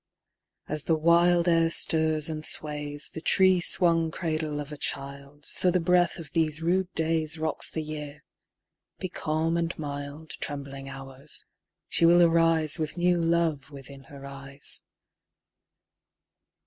3. As the wild air stirs and sways The tree swung cradle of a child, So the breath of these rude days _15 Rocks the Year: be calm and mild, Trembling Hours, she will arise With new love within her eyes.